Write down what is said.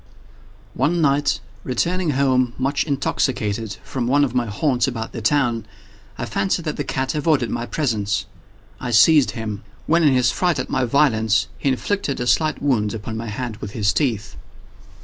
One night, returning home, much intoxicated, from one of my haunts about town, I fancied that the cat avoided my presence. I seized him; when, in his fright at my violence, he inflicted a slight wound upon my hand with his teeth.